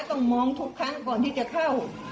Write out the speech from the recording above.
ต้องมองทุกครั้งก่อนที่จะเข้า